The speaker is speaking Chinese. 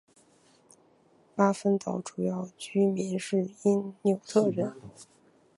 巴芬岛主要居民是因纽特人。